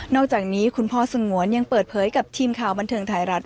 อกจากนี้คุณพ่อสงวนยังเปิดเผยกับทีมข่าวบันเทิงไทยรัฐ